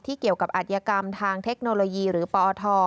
เกี่ยวกับอัธยกรรมทางเทคโนโลยีหรือปอท